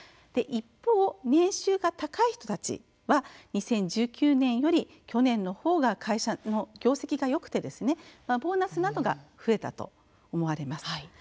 一方、年収が高い人たちは２０１９年より、去年のほうが会社の業績がよくてボーナスなどが増えたと思われます。